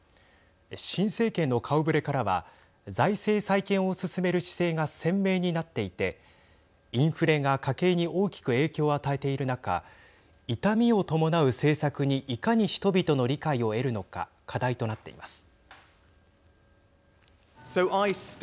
新政権の顔ぶれからは財政再建を進める姿勢が鮮明になっていてインフレが家計に大きく影響を与えている中痛みを伴う政策にいかに人々の理解を得るのか課題となっています。